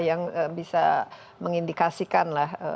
yang bisa mengindikasikan lah